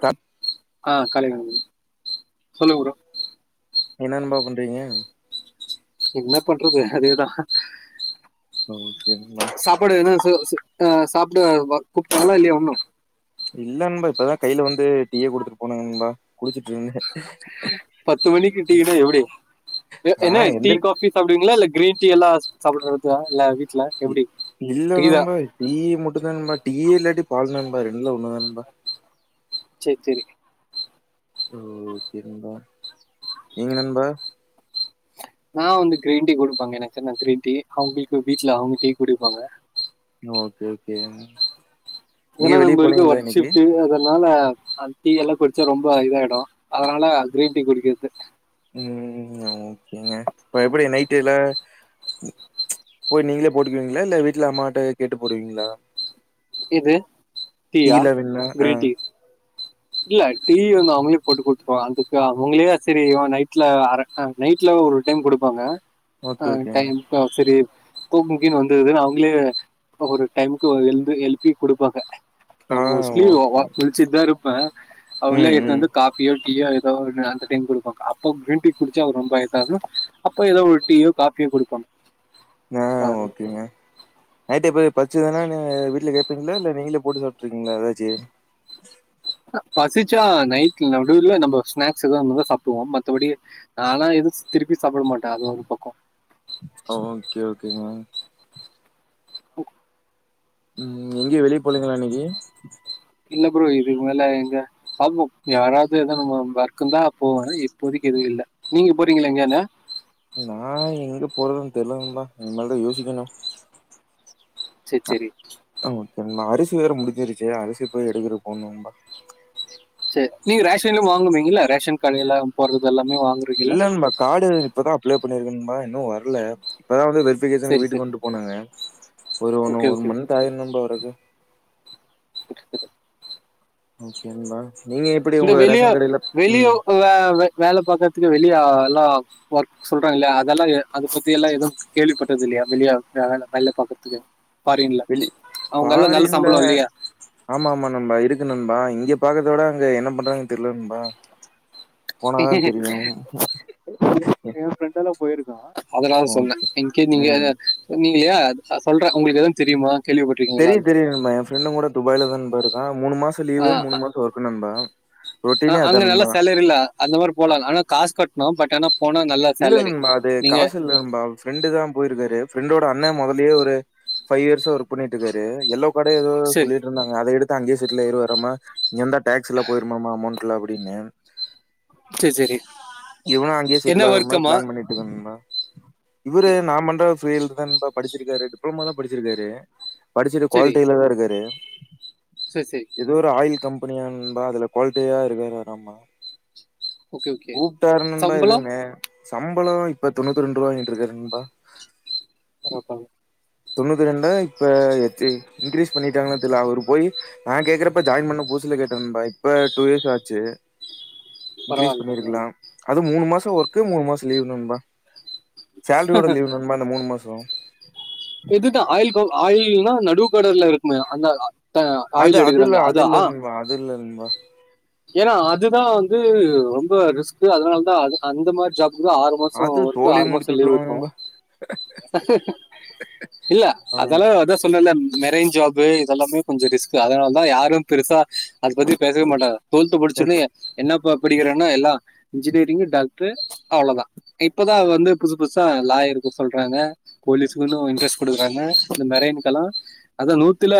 தா ஆ காலைல சொல்லு ப்ரோ என்ன நண்பா பண்றீங்க என்ன பண்றது அதேதான் ஓகே நண்பா சாப்படுன ச ச ஆ சாப்பிட பா கூப்ட்டகலா இல்லையா இன்னும் இல்லன்பா இப்பதான் கையில வந்து டீய குடுத்துட்டு போனங்க நண்பா குடிச்சுட்டு இருந்தன் பத்து மணிக்கு டீன எப்டி எ ஆ என்ன டீ எந்திரி காபிஸ் சாப்டிவிங்களா இல்ல கிரீன் டீ எல்லாம் சாப்புடறத இல்ல வி இல்ல நண்பா டீ மட்டும் தா நண்பா டீய் இல்லாட்டி பால் த [unintelligible] நண்பா செரி செரி ஓக்கே நண்பா என் நண்பா நான் வந்து கிரீன் டீ கொடுப்பாங்க எனக்குனு கிரீன் டீ அவங்களுக்கு வீட்ல அவங்க டீ குடிப்பாங்க ஓகே ஓகே ஏன்ன எங்கயு வெளிய நம்ம இருக்க போலீங்களா இன்னைக்கு ஒர்க்ஷிப்ட் அதெல்லா அதனால அ டீ எல்லாம் குடிச்சா ரொம்ப இதாயிடும் அதனால கிரீன் டீ குடிக்கர்து உம் ஓகேங்க இப்ப எப்டி நைட்டுல்ல போய் நீங்களே போட்டுக்குவீங்களா இல்ல வீட்டுல அம்மாட்ட கேட்டு போடுவீங்களா இது டீயா டீலா வேணுனா ஆ கிரீன் டீ இல்ல டீ வன் அவங்களே போட்டு கொடுதுருவங்க அதுக்கு அவங்களே சரி நைட்ல அர நைட்ல ஒரு டைம் கொடுப்பாங்க ஆ ஓகே ஓகேங்க டைம்பா சரி குமுக்கின்னு வந்தது அவங்களே ஒரு டைமுக்கு எலுந்து எலுப்பி கொடுப்பாங்க நா ஆ மோஸ்ளி ஓ ஓ ஓகே முலிச்சிட்டு தா இப்ப அவே ம் எத்து ம் வந்து காபி டீயோ ஏதோ அந்த டீம் கொடுப்பாங்க அப்ப கிரீன் டீ குடிச்சு அவங்க ரொம்ப இதமா இருக்கு அப்ப ஏதோ ஒரு டீயோ காபியோ கொடுப்பாங்க ஆஹ் அஹ் ஓகேங்க [unintelligible] பச்சுதனா நீ வீட்டுல கேட்ப்பீங்களா இல்ல நீங்களே போட்டு சாப்பிட்ருவீங்களா ஏதாச்சும் பசிச்சா நைட்ல நடுல நம்ம ஸ்நாக்ஸ் எத இருதா சாப்பிடுவோம் மத்தபடி நானா எதுவும் திருப்பி சாப்பிட மாட்டேன் அது ஒரு பக்கம் ஓகே ஓகே ஓகேவா [unintelligible] உம் எங்கயே வெளியே போலுங்களா இன்னைக்கு என்ன ப்ரோம் இது மேல எங்க பாம் யாராவது எத நம்ம வர்க்க தான் போவேன் இப்போதைக்கு எதுவும் இல்லை நீங்க போறீங்களா எங்கன்னா நான் எங்க போறதுன்னு தெரியல நண்பா இனிமேதான் யோசிக்கணும் சரி சரி அரிசி வேற முடிஞ்சிருச்சி அரிசி போய் எடுத்துறு போணும்பா சரி நீங்க ரேஷன் எல்லாம் வாங்குவீங்களா ரேஷன் கடையில எல்லாம் போறதெல்லாம் இல்ல நண்பா கார்டு இப்பதான் அப்ளைே பண்ணிருப்பேன்னா இன்னும் வரல இப்பதான் வந்து அப்லீக்கேசன் கேக்கு சரி வீட்டுக்கு சரி கொண்டு போனாங்க ஒரு ஒன்னு ஓகே ஒரு ஓகே ஓகே. மந்த் ஆயிருந்தும் வரதுக்கு [unintelligible] ஓகேன்பா இந்த வெளிய வெளிய வேலை பார்க்கறதுக்கு வெளிய ஒர்க் சொல்றாங்க இல்லைய அதெல்லாம் அத பத்தி எல்லாம் எதுவும் கேள்விப்பட்டறது இல்லையா வெளி வேலை பாக்குறதுக்கு வெளிப் பாரின்ல இல்லையா ஆமா ஆமா நம்ம இருக் இருக்கு நண்பா இங்க பாக்கறத விட அங்க என்ன பண்றதுனு தெரியில நண்பா போனாதா தெரியு என் ஃப்ரெண்ட் எல்லாம் போயிருக்கோ அதனால சொன்னேன் ஓகே எங்கே நீங்க ம் சொன்னீங்க இல்லையா சொல்ற உங்களுக்கு எதாவது தெரியுமா கேள்விப்பட்டிருக்கீங்களா தெரியு தெரியு நா என் ஃரெண்டும் கூட துபாயல தான் போயிருக்கான் மூணு மாச லீவ் மூணு மாசம் ஒர்க் நண்பா ஆஹ ரொட்டீனே அதா அங்க நல்ல நண்பா சேலரி இல்ல அந்த மாதிரி போலாம் ஆனா காசு கட்டணும் பட் எனப் இல்ல இல்ல நண்பா அது காசு இல்ல நண்பா ஃப்ரெண்டு தான் போயிருக்காரு ஃ பிரண்டோட அண்ணன் முதலே ஒரு பைவ் இயர்சா ஒர்க் பண்ணிட்டு இருக்காரு எல்லோப் ஏதோ சரி சொல்லிட்டு இருந்தாங்க அதை எடுத் அங்கே செட்டிலாகிடுவாராமா எந்த டேக்ஸ் இல போயிரும்மா அமௌண்ட் இருக்கலாம் அப்படின்னு சரி சரி எவன அங்கே செ என்ன இல்லற வர்க்கமா மாதிரிளான் பண்ணிட்டுக்கங்கமா இவரு சரி நான்பண்ற பீல்்டுதான் படிச்சிருக்காரு டிப்ளோம தான் படிச்சிருக்காரு படிச்சுட்டு குவாலில தான் இருக்காரு சரி சரி ஏதோ ஒரு ஆயள் கம்பெனியானபா அதுல குவாலிட்டியா இருக்காரு ஆராமா ஓகே ஓகே கூப்பிட்டரணும்பா சம்பளம் எதுவுமே சம்பளம் இப்ப தொண்ணூத்தி ரெண்டு ரூபா வாங்கட்டு இருக்காருன்பா ரப்ப தொண்ணூத்தி ரெண்டு இப்ப இன்கிரீஸ்் பண்ணிட்டாங்கன்ன தெரிய அவரு போய் நான் கேக்குறப்ப ஜாயின் பண்ண பூசல கேட்டேன்பா இப்ப டூ இயர்ஸ் ஆச்சு இ்கிரீஸ்் பரவாயில்ல பரவாயில்ல பண்ணிருக்கலாம் அது மூணு மாசம் ஒர்க்கு மூணு மாசம் லீவு நண்பா சேலரியோட லீவு வருமா மூணு மாச த [inaudible] இதுதா ஆயில் ஆயில்னா நடுவுக்கடர்ல இருக்குமே அந்த ஆ அது அதுல அது இலல்மா அதுலலை [inaudible] ஆ ஏன்னா அதுதா வந்து ரொம்ப ரிஸ்கு அதனாலதா அந்த மாதிரி ஜாப் ஆறு மாசம் அது ஒர்க்க சோலி ஆறு முடிச்சு மாசம் லீவ் விட்டுருவாங்க இருக்கும் நண்பா இல்ல ஆமா அதால அதான் சொல்லல [inaudible] மரேஞ் ஜாப் இதெல்லாமே கொஞ்சம் ரிஸ்கு அதனால தான் யாரும் பெருசா அதை பத்தி பேசவே மாட்டாா [inaudible] தோல்்த்த படிச்சன்னையே என் [unintelligible] னப்ப படிக்கிறனா எல்லாம் [unintelligible] இன்ஜினியரிங் டாக் அவ்வளவுதான் இப்பதான் வந்து புதுசு புதுசா லாய இரு சொல்றாங்க போலீஸ இரஸ்டுக்கறாங்க மெல்லாம் அத நூத்துல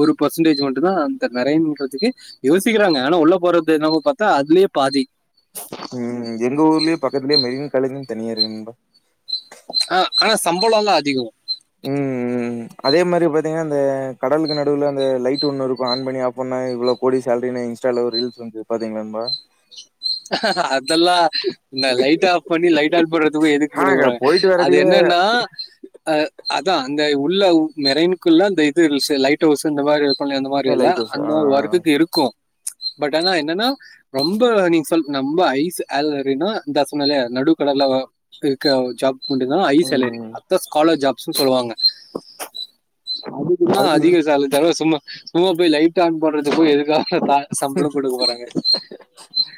ஒரு பெர்சன்டேஜ் ம தான் அ ம யோசிக்கிறாங்க ஆனா உள்ள [unintelligible] போரது என்ன பத்த அதுலேயே பாதி ம்ம் எங்க ஊர்லயே பக்கத்தலயே மெருன் காலேஜ்னு தனிய இருக்கு நண்பா ஆ ஆ சம்பளம்ல்லா அதிக உம் அதே மாதிரி பாத்தீங்கன்னா அந்த கடலுக்கு நடுவுல அந்த லைட் ஒண்ணு இருக்கும் ஆன் பண்ணி ஆஃப் பண்ணா இவ்வளவு கோடி சேரிின் இன்ஸ்டால ரீல்ஸ் வந்து பாத்தீங்களானபா [unintelligible] அதெல்லாம் இந்த லைட் ஆஃப் பண்ணி லைட் ஆல் பண்றதுக்கும் எதுக்கு ஆ அங்க கொடுக்குறாங்க போயிட்டு அது வரக்குள்ளயே என்னன்னா அஹ [unintelligible] அதா அந்த உள்ள மிரனுக்குல்லா அந்த இது லைட் அவுஸ் இந்த மாதிரி பள்ள அந்த மாதிரி ஏன் இல்ல லைட் ஹவுஸ் அந்த ஆ மாதிரி ஆ. வர்கக்கு இருக்கும் [unintelligible] பட் ஆனா என்னன்னா ரொம்ப நீ நம்பம ஐஸ் ஆல்ரினா இந்தசனாலையா நடு கட எல்ல இருக்கு ஜாப் [unintelligible] முன்டு தா ஐ ம் சேலரி ம். அத்தஸ்காலர் ஜாப் ஸ்சு சொல்லுவாங்க அதுக்கு தா அதிக சாலே சும்மா உமா போய் லைட் ஆன் பண்றது போ எதுக்கா சம்பளம் கொடுக்க போறாங்க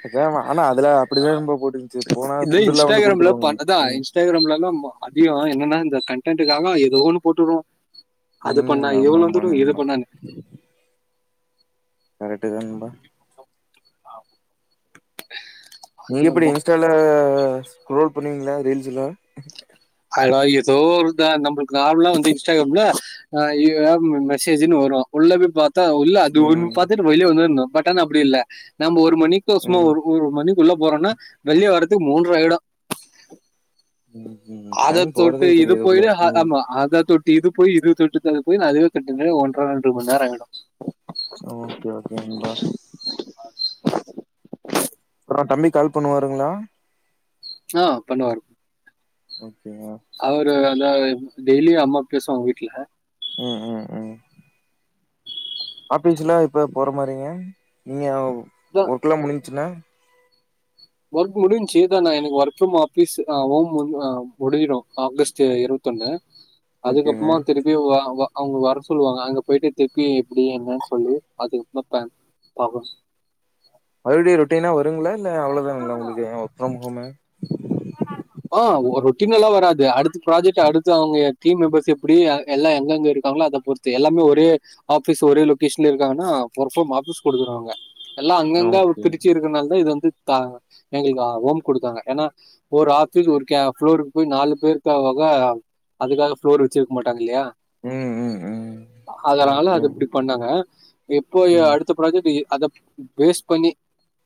அதுல ஆனா அதுல அப்படிதா நண்பா போட்டுந்துச்சு போனா இதே ஃபுட்டு் எல்லா வந்து குடுத்துருவாங்கன்னு உம் ஆமா அதிக என்னன்னா இந்த கன்டென்னுகாக ஏதோ ஒன்னு போட்டுருரோ அது பண்ணா ம் இவ்வளவு ஆமாமா வந்துரு இது நண்பா. பண்ண கரெக்ட் தா நண்பா ஆஹ [inaudible] நீங்க எப்டி இன்ஸ்டல ரோல் பண்ணுவீங்களா ரீல்ஸ்ல அத ஏதோ ஒருான் நம்மளுக்கு நல்லாம் வந்து இன்ஸ்டாகிராம்லஹ மெசேஜ்ன்னு வரும் உள்ளபய பா [unintelligible] த்ல்ல அது ஒன்ன ம் பாத்த்த்திர வயிலி வந்தன்னா [unintelligible] பட் அப்டி இல்ல நம்ப ஒரு மணிக்கு சும்மா ம் ஒரு ஒரு மணிக் உள்ள போறோனா வெளிய வரத்துக்கு மூன்ற ஆயிடும் ம் ம். ஆதா டைம் தொட்டு போறதே இது தெரியாது உள்ள. போயட்டு ம். ஆமா ஆதா தொட்டு இது போய் இது தொட்டு அது போய் அதுவே கட்ட ஒன்றரை ரெண்டு மணி நேரம் ஆகிடும் ஓகே ஓகோ நண்பா தம்பி கால் பண்ணுவாருங்களா ஆஹ் பண்ணுவாரு உம் உம் ல்ல டெய்லியும் அம்மா பேசுவாங்க வீட்டுல உம் உம் உம் ஆபீஸ்லாம் இப்ப போற மாரிங்க நீங்க அதா ஒர்க்குல்லாம் முடிஞ் ச்சனா ஒர்க் முடிஞ்சச்சுதான் நான் எனக்கு ஒர்க் ப்ரம் ஆபீஸ் ஹோம் முஞ்சிடும் ஆகஸ்ட் இருபத்தொண்ணு ஓகேங்க அதுக்கப்பறமா திருப்பி வா வா அவங்க வர சொல்லுவாங்க அங்க போயிட்டு திருப்பி எப்படி என்னன்னு சொல்லி அதுக்கப்பறம் பா பாக்கணும் மறுபடி ரொட்டனா இருங்களா இல்ல அவ்வளோதான உங்களுக்கு ஒர்க் பிரம் ஹோமு ஆஹ் ரொட்டின் நல்லாம் வராது அடுத்து ப்ராஜெக்ட் அடுத்து அவங்க டீம் மெம்பர்ஸ் எப்டி அ எல்லா எங்கெங்க இருக்காங்களோ அத பொறுத்து எல்லாமே ஒரே ஆஃபீஸ் ஒரே லொக்கேஷன்ல இருக்காங்கன்னா ஒர்க் ப்ஃரம் ஆஃபீஸ் குடுத்துருவாங்க எல்லா அங்கங்க ஓகே பிரிச்சு இருக்கனாலதா இது வந்து தாங்க எங்களுக்கு ரூம் கொடுத்தாங்க ஏன்னா ஒரு ஆஃபீஸ் ஒரு கே ஃப்ளோருக்கு போய் நாலு பேருக்காக அதுக்காக ஃப்ளோர் வச்சுருக்க மாட்டாங்க இல்லையா ம் ம் ம் அதனால ஓகே அது இப்டி பண்ணாங்க எப்போ அ ம் அடுத்த ப்ராஜெக்ட் எ அத பேஸ் பண்ணி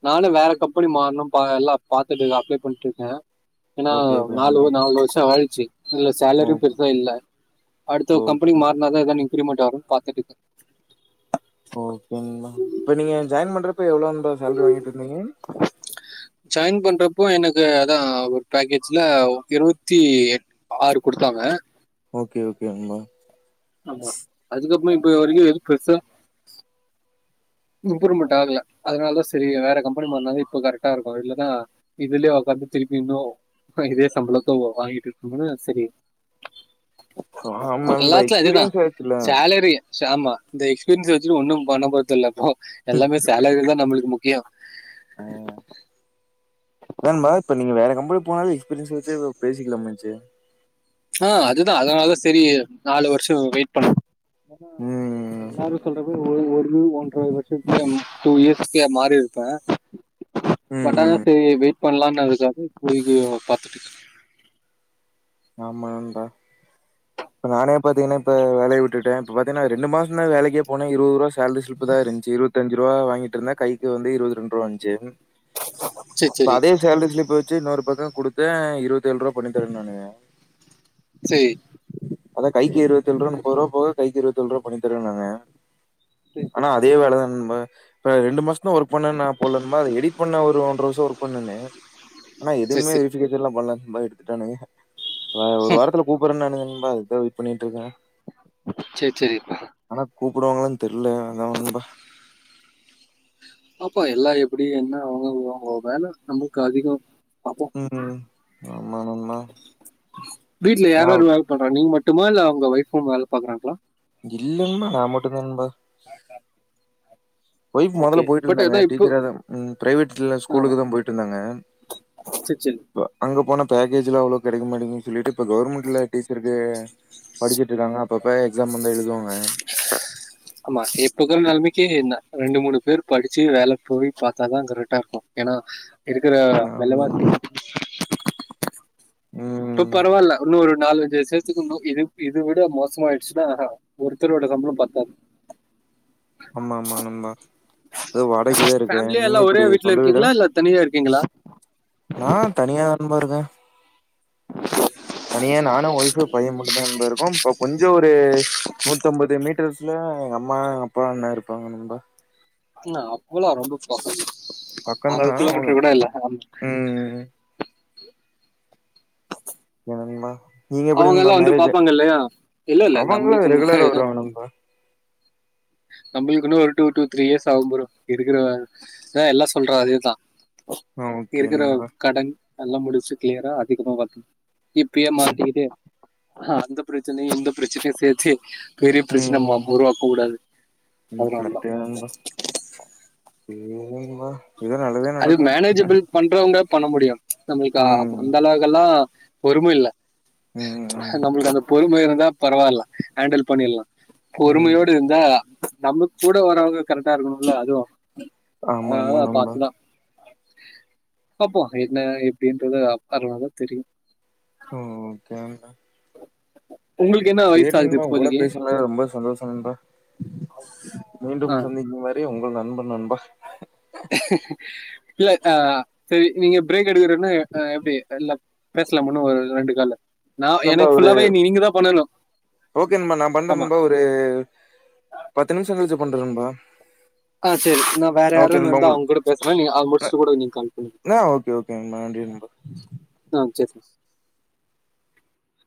நானு வேற கம்பெனி மாறணு ப எல்லா பாத்துட்டு அப்ளை பண்ணிட்ருக்கே ஏன்னா ஓகே ஓகே நாலு நண்பா நாலு வருஷோ ஆயிடுச்சு இதுல சேலரியு ஓகே பெருசா இல்ல அடுத்த கம்பெனி ஓகே மாறுனாதா எதோ இனி இங்கிரிமெண்ட் வரும்னு பாத்துட்ருக்கே ஓகேங்ணா இப்ப நீங்க ஜாயின் பண்றப்ப எவ்ளவுன்ற சேலரி வாங்கிட்டு இருந்தீங்க ஜாயின் பண்றப்போ எனக்கு அதா ஒரு பேக்கேஜ்ல இருபத்தி எட் ஆறு குடுத்தாங்க ஓகே ஓகே நண்பா ஆமா அதுக்கப்புறோ இது வரைக்கு எது பெருசா இம்ப்ரூவ்மெண்ட் ஆகல அதனாலதா சரி வேற கம்பெனி மாறுனாதா இப்போ கரெக்டா இருக்கு இல்லன்னா இதுலயே ஒக்காந்து திருப்பி இன்னு இதே சம்பளத்த வாங்கிட்டு இருக்கணுன்னு சரி சோ ஆமாங்பாய் எக்ஸ்பீரியன்ஸ் ஆயிருச்சுல்ல சே ஆமா இந்த எக்ஸ்பீரியன்ஸ வச்சுட்டு ஒன்னும் பண்ணப்போறது இல்ல எல்லாமே சேலரிதான் நம்மளுக்கு முக்கியோ ஆஹ் அதானுங்பாய் இப்ப நீங்க வேற கம்பெனி போனாலு எக்ஸ்பீரியன்ஸ் வச்சி பேசிக்கலாமாச்சு ஆஹ் அதுதா அதனாலதா சரி நாலு வருஷோ வெயிட் பண்ணது ஏன்னா அது ம் எல்லாரு சொல்ற மாரி ஒரு இது ஒன்ர வருஷத்துல டூ இயர்ஸ் [unintelligible] மாறிருப்பே ம் பட்டாதா ம் தெரியி பண்லான்னு அதுக்காக போய் இது பாத்துட்ருக்கே ஆமா நண்பா இப்ப நானே பாத்தீங்கன்னா இப்ப வேலைய விட்டுட்டே இப்ப பாத்தீங்னா ரெண்டு மாசோந்தா வேலைக்கே போனே இருபது ரூபா சேல்ரி சிலிப்புதா இருந்துச்சு இருபத்தஞ்ச ரூபா வாங்கிட்டு இருந்த கைக்கு வந்து இருபது ரெண்டு ரூபா இருந்துச்சி சரி இப்ப சரி அதே சேலரி சிலிப்ப வெச் ச்சு இன்னொரு பக்கோ குடுத்தே இருபத்தேழ்ருவா பண்ணித் தரேனுனானுக சரி அதா கைக்கு இருபத்தேழ்ருவா நுப்பது ரூபா போக கைக்கு இருபத்தேழ்ரூவா பண்ணித் தரேன்னாங்க சரி ஆனா அதே வேலதான் ஆ இப்ப ரெண்டு மாச துல ஒர்க் பண்ண நான் போல்ல இந்த மாரி எடிட் பண்ண ஒரு ஒன்ர வருஷோ ஒர்க் பண்ணன்னே ஆனா சரி எதுமே சரி [unintelligible] பண்ணல எடுத்துட்டானுங்க ஒரு வாரத்துல கூப்புரேனுங்க சும்மா அதுக்கு தான் வெயிட் பண்ணிட்டுருக்கேன் சேர் சேரிப்பா கூப்பிடுவாங்களான்னு தெர்ல அதான் நம்பா பாப்போம் எல்லாம் எப்படி என்ன அவுங்கவுங் வேல நமக்கு அதிகம் பார்ப்போம் உம் ஆமா நம்பா வீ்ட்லயாருமே இதுமாரி பண்ரா நீங்க மட் மட்டுமா இல்ல ஒங்க வைஃபும் வேலை பாக்குறாங்ளா இல்லன்மா நான் மட்டும் நண்பா ஒய்ஃப் முதல்ல ஓகே போய்டு பட் இருந்தாங்க அதான் இப்போ டீச்சரா பிரைவேட் ஸ்கூலுக்கு ஆமாம் தான் போய்டு இருந்தாங்க சரி சரி அங்க போன பேக்கேஜ்லாம் அவ்ளோ கெடைக் மாடேங்குது சொல்லிட்டு இப்ப கவர்மெண்ட்ல டீச்சருக்கு படிச்சுட்டு இருக்காங்க அப்ப இப்ப எக்ஸாம் வந்து எழுதுவாங்க இப்ப உள்ள நிலமைக்கி என்ன ரெண்டு மூணு பேர் படிச்சு வேலைக்கு போய் பாத்தாதான் கரெக்டா இருக்கும் ஏன்னா இருக்குற ஆமா வெலவாசிக்கு நண்பா இப்ப ம் பரவால்ல இன்னும் ஒரு நாலுஞ்சு வருசேத்துக்கு இன்னும் இது இது விட மோசமாயிடுச்சுன்னா ஒருத்தரோட சம்பளம் பத்தாது அம்மா அம்மா நம்பா அது வாடகைகுதான் இருக்கேன் ஃபேமிலியா நீங்க எல்லாம் ஒரே எப்டி வீட்ல சொந்த வீடா இருக்கீங்களா? இல்ல தனியா இருக்கீங்களா? நான் தனியாநபான் இருகேன் தனியா நானும் ஓய்ப் பையன் மட்டு தான் நன்பா இருக்கோம் கொஞ்சம் ஒரு நூத்தம்பது மீட்டர்ஸ்ல எங்க அம்மா அப்பா அண்ண இருப்பாங்க நம்பா என்ன அவ்ளோ ரொம்ப பாசமா பக்கம் அற தான் அவங்க கிலோமீட்டர் கூட இல்ல ம் என்னன்பா அவுங்க எல்லாம் வந்து பாப்பாங்க இல்லையா இல்ல இல்ல அவங்களு நம்மளுக்கு ஒன்னு ரெகுலரா வருவாங்க நண்பா நம்மளுக்குன்னு ஒரு டூ டூ த்ரீ இயர்ஸ் ஆகும்புறோ இருகிற எல்லாம் சொல்ற அதேதான் ஆ ஓகே இருக்கிற நண்பா கடன் எல்லாம் முடிச்சு கிளியரா அதுகப்றம் பாத் இப்பியே ம் மாட்டிகிட்டு அந்த பிரச்சனை எந்த பிரச்சனை சேத்து பெரிய பிரச்சனை உருவாக்க கூடாது அதனாலதான். [unintelligible] இல்லிங்மா அது மேனேஜ்பிள் பண்றவுங்க பண்ண முடியும் நம்மளுக்கா ம் அந்த அளவுக்கெல்லாம் பொறுமை இல்ல ம் ம் நம்மளுக்கு அந்த பொறுமை இருந்தா பரவாயில்ல ஹேண்டில் பண்ணிடலாம் ம் பொறுமையோடு இருந்தா நம்ம கூட வாரவுங்க கரெக்ட்டா இருக்கணும்ல அதுவும் ஆமா ஆமா நம்ம பாப்போம் என்ன எப்படின்றது அப்பறமா தான் தெரியும் ஓகேங்க [inaudible] உங்களுக்கு என்ன சேரி வயசு ஆகுது நண்பா உங்க கூட இப்போதைக்கு பேசுனதுல ரொம்ப சந்தோஷம் நண்பா ஆ மீண்டும் சந்திக்கும் வரை உங்கள் நண்பண் நண்பா இல்ல ஆஹ் செரி நீங்க பிரேக் எடுக்கறேன்னு எப்படி இல்ல பேசலாம்ண்ணும் ஒரு ரெண்டு இல்ல டிஃபரெண்டா ஒரு ஓகே நண்பா நான் பண்றேன் ஆமா நண்பா ஒரு பத்து நிமிஷம் கழிச் பண்றேன் நண்பா ஆஹ் செரி நான் வேற ஓகே யாராவது நண்பா இருந்தா உங்கள் அவுங்க கூட பேசுறேன் நீ அத முடிச்சுட்டு கூட நீங்க கால் பண்ணுங்க ஆ ஓகே ஓகே நண்பா நன்றி நண்பா ஆஹ் செரி